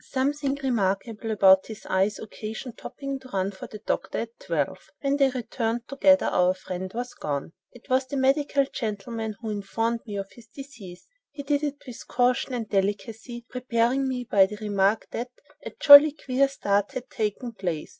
"Something remarkable about his eyes occasioned Topping to run for the doctor at twelve. When they returned together, our friend was gone. It was the medical gentleman who informed me of his decease. He did it with caution and delicacy, preparing me by the remark that 'a jolly queer start had taken place.